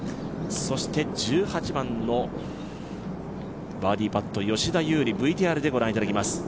そして１８番のバーディーパット吉田優利ＶＴＲでご覧いただきます。